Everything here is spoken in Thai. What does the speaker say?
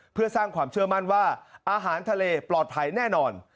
เพื่อสร้างความเชื่อมั่นว่าอาหารทะเลปลอดภัยแน่นอน